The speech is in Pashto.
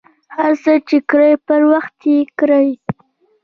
هر څه ،چې کرئ پر وخت یې وکرئ.